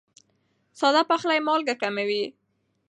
ساده پخلی مالګه کموي.